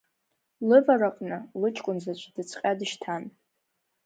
Лывараҟны лыҷкәын заҵә дыцҟьа дышьҭан.